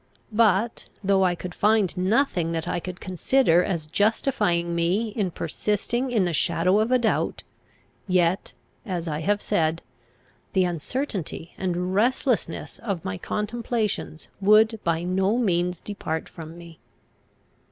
But, though I could find nothing that I could consider as justifying me in persisting in the shadow of a doubt, yet, as I have said, the uncertainty and restlessness of my contemplations would by no means depart from me.